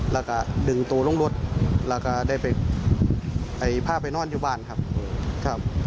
แล้วก็ดึงตัวลงรถแล้วก็ได้ไปพาไปนอนอยู่บ้านครับครับ